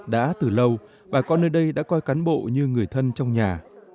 đã từ lâu bà con nơi đây đã coi cán bộ như người thân trong nhà